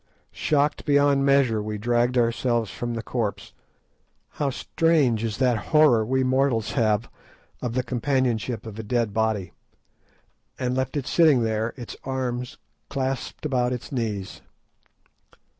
Shocked beyond measure, we dragged ourselves from the corpse—how strange is that horror we mortals have of the companionship of a dead body—and left it sitting there, its arms clasped about its knees.